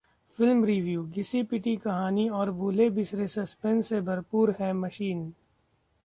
Film Review: घिसी-पिटी कहानी और भूले बिसरे सस्पेंस से भरपूर है मशीन